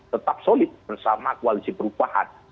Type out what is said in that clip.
tetap solid bersama koalisi perubahan